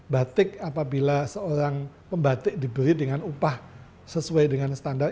batik apabila seorang pembatik dibeli dengan upah sesuai dengan standar